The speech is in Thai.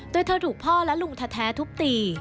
โดยเธอถูกพ่อและลุงแท้ทุบตี